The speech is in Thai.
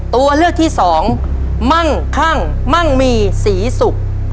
ตัวเลือกที่สองมั่งคั่งมั่งมีศรีศุกร์